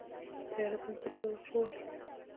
طیاره د مسافرو وخت ژغوري.